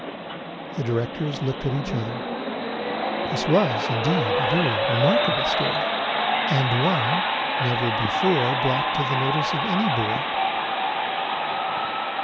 The Directors looked at each other. This was, indeed, a very remarkable story, and one never before brought to the notice of any Board.